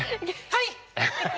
はい！